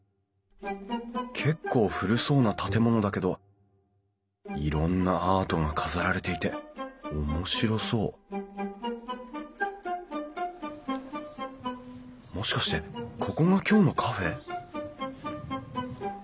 結構古そうな建物だけどいろんなアートが飾られていておもしろそうもしかしてここが今日のカフェ？